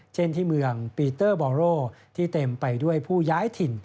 เช่นที่เมืองปีเตอร์บอลโรที่เต็มไปด้วยผู้ย้ายถิ่น